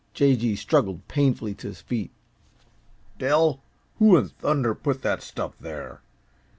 J. G. struggled painfully to his feet. "Dell, who in thunder put that stuff there?